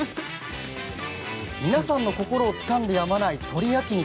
皆さんの心をつかんでやまない鶏焼き肉。